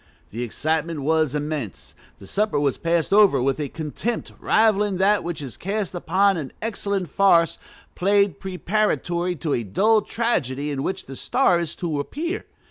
The excitement was immense. The supper was passed over with a contempt rivaling that which is cast upon an excellent farce played preparatory to a dull tragedy in which the star is to appear.